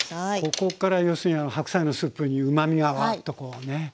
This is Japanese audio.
ここから要するにあの白菜のスープにうまみがわっとこうねいくんですね。